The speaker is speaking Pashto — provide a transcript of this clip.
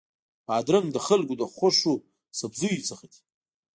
بادرنګ د خلکو له خوښو سبزیو څخه دی.